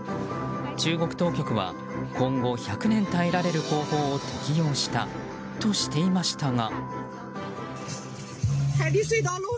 中国当局は今後１００年耐えられる工法を適用したとしていましたが。